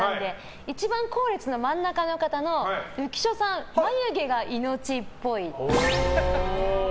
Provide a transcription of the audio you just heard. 一番後列の真ん中の方の浮所さん、眉毛が命っぽい。